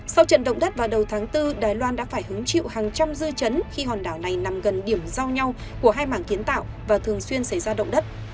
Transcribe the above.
sau trận động đất vào đầu tháng bốn đài loan đã phải hứng chịu hàng trăm dư chấn khi hòn đảo này nằm gần điểm giao nhau của hai mảng kiến tạo và thường xuyên xảy ra động đất